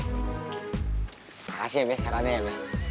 makasih ya be sarannya yan